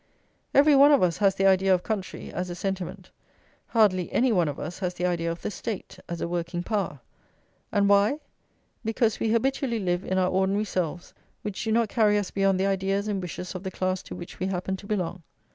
Every one of us has the idea of country, as a sentiment; hardly any one of us has the idea of the State, as a working power. And why? Because we habitually live in our ordinary selves, which do not carry us beyond the ideas and wishes of the class to which we happen to belong.